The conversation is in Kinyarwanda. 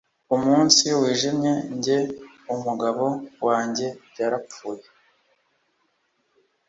Umunsi wijimye njye umugabo wanjye yarapfuye